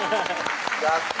やった！